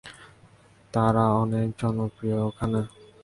তারা অনেক জনপ্রিয় ওখানে।